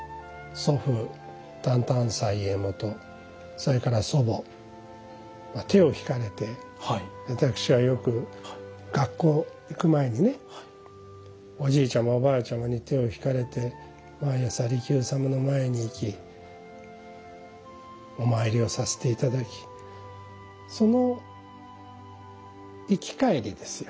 それから祖母手を引かれて私はよく学校行く前にねおじいちゃまおばあちゃまに手を引かれて毎朝利休様の前に行きお参りをさせて頂きその行き帰りですよ。